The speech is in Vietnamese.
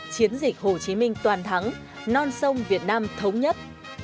chiến dịch hồ chí minh toàn thắng non sông việt nam thống nhất